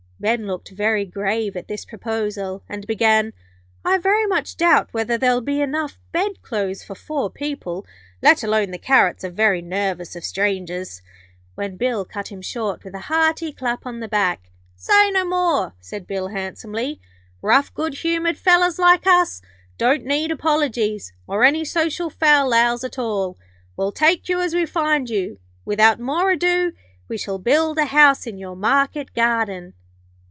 Ben looked very grave at this proposal and began: 'I very much doubt whether there will be enough bed clothes for four people, let alone the carrots are very nervous of strangers ' when Bill cut him short with a hearty clap on the back. 'Say no more,' said Bill, handsomely. 'Rough, good humoured fellers like us don't need apologies, or any social fal lals at all. We'll take you as we find you. Without more ado, we shall build a house in your market garden.'